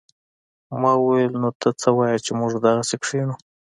ما وويل نو ته څه وايې چې موږ دغسې کښينو.